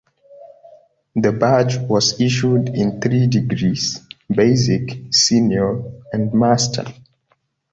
The badge was issued in three degrees: Basic, Senior, and Master.